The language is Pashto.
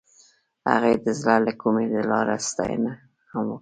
هغې د زړه له کومې د لاره ستاینه هم وکړه.